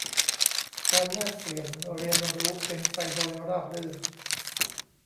การแลกเปลี่ยนเรียนรู้เป็นไปโดยราบรื่น